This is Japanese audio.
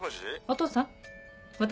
お父さん私。